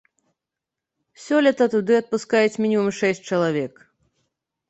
Сёлета туды адпускаюць мінімум шэсць чалавек.